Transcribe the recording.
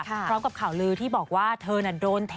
พร้อมกับข่าวลือที่บอกว่าเธอน่ะโดนแท้